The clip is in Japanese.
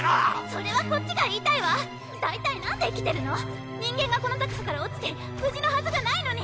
それはこっちがだいたいなんで生きてるの⁉人間がこの高さから落ちて無事のはずがないのに！